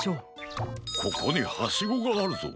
ここにハシゴがあるぞ。